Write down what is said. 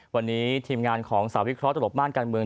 วันนี้ทีมงานของสาววิเคราะหลบม่านการเมือง